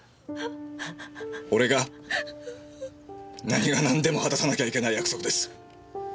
俺が何がなんでも果たさなきゃいけない約束です。